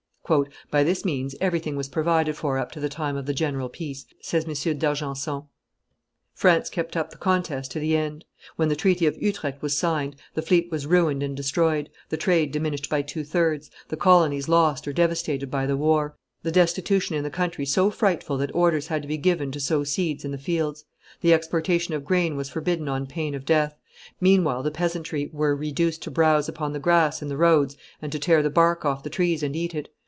"By this means everything was provided for up to the time of the general peace," says M. d'Argenson. France kept up the contest to the end. When the treaty of Utrecht was signed, the fleet was ruined and destroyed, the trade diminished by two thirds, the colonies lost or devastated by the war, the destitution in the country so frightful that orders had to be given to sow seed in the fields; the exportation of grain was forbidden on pain of death; meanwhile the peasantry were reduced to browse upon the grass in the roads and to tear the bark off the trees and eat it.